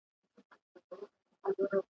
یک تنها مو تر نړۍ پوري راتله دي ,